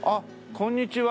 こんにちは。